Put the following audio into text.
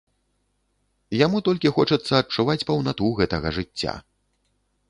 Яму толькі хочацца адчуваць паўнату гэтага жыцця.